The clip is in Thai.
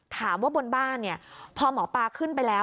บนบ้านเนี่ยพอหมอปลาขึ้นไปแล้ว